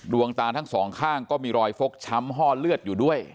ดวงตาทั้งสองข้างก็มีรอยฟกช้ำห้อเลือดอยู่ด้วย